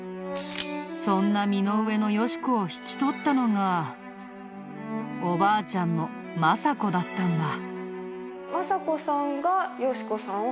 そんな身の上のよし子を引き取ったのがおばあちゃんの政子だったんだ。